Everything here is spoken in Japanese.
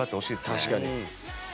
確かに。